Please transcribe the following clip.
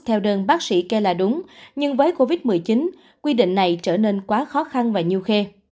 theo đơn bác sĩ kê là đúng nhưng với covid một mươi chín quy định này trở nên quá khó khăn và nhiều khê